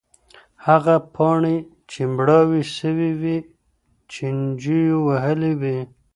هغه پاڼې چي مړاوې سوي وې چینجیو وهلې وې.